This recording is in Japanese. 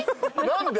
何で？